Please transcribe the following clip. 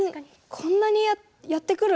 こんなにやってくる？